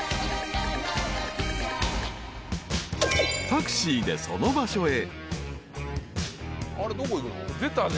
［タクシーでその場所へ］